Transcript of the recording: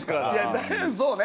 そうね。